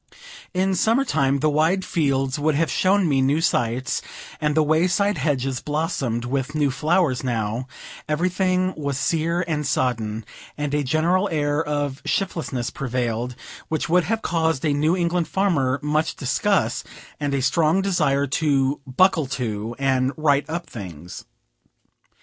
In summer time the wide fields would have shown me new sights, and the way side hedges blossomed with new flowers; now, everything was sere and sodden, and a general air of shiftlessness prevailed, which would have caused a New England farmer much disgust, and a strong desire to "buckle to," and "right up" things.